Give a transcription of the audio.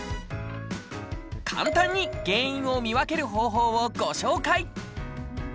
簡単に原因を見分ける方法をご紹介。